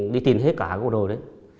đi tìm hết cả của đội